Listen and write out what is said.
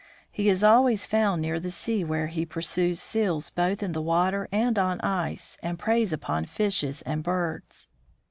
He is always found near the sea, where he pursues seals both in the water and on ice, and preys upon fishes and birds.